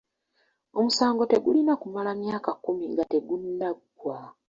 Omusango tegulina kumala myaka kkumi nga tegunaggwa.